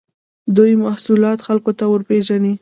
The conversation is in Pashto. دوی محصولات خلکو ته ورپېژني.